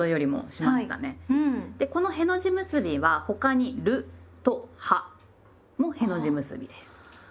でこの「への字結び」は他に「る」と「は」もへの字結びです。